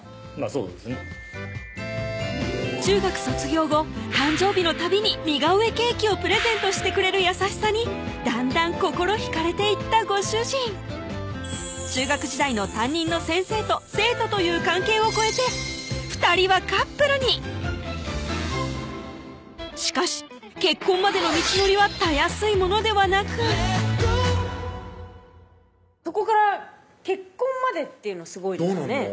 そうですね中学卒業後誕生日のたびに似顔絵ケーキをプレゼントしてくれる優しさにだんだん心引かれていったご主人中学時代の担任の先生と生徒という関係を超えて２人はカップルにしかし結婚までの道程はたやすいものではなくそこから結婚までっていうのどうなんの？